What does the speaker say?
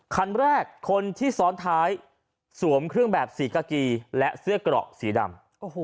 คันแรกคนที่ซ้อนท้ายสวมเครื่องแบบสีกากีและเสื้อเกราะสีดำ